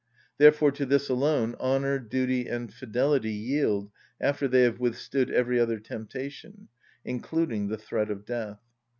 Therefore to this alone honour, duty, and fidelity yield after they have withstood every other temptation, including the threat of death.